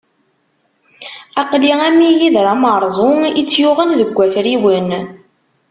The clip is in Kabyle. Aql-i am yigider amerẓu i tt-yuɣen deg wafriwen.